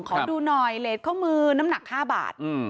ขอดูหน่อยเลสข้อมือน้ำหนัก๕บาท